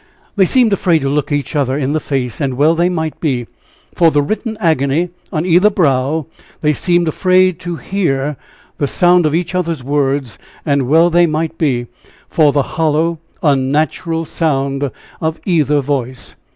They seemed afraid to look each other in the face; and well they might be, for the written agony on either brow; they seemed afraid to hear the sound of each other's words; and well they might be, for the hollow, unnatural sound of either voice.